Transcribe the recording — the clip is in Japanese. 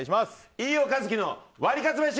飯尾和樹のワリカツめし！